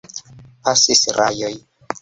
Pasis jaroj.